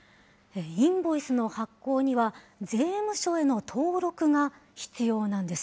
インボイスの発行には、税務署への登録が必要なんです。